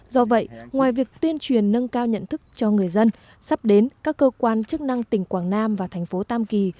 do vậy ngoài việc tuyên truyền nâng cao nhận thức cho người dân sắp đến các cơ quan chức năng tỉnh quảng nam và thành phố tam kỳ